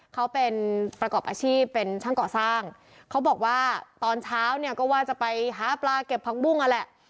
เขาเป็นประกอบอาชีพเป็นช่างก่อสร้างเขาบอกว่าตอนเช้าเนี่ยก็ว่าจะไปหาปลาเก็บผักบุ้งนั่นแหละ